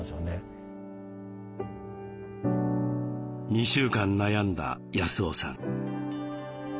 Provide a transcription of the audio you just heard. ２週間悩んだ康雄さん。